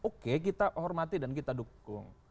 oke kita hormati dan kita dukung